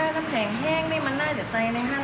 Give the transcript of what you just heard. ถ้าแผงแห้งนี่มันน่าจะไซในห้าง